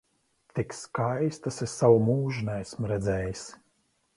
Tik skaistas es savu mūžu neesmu redzējis!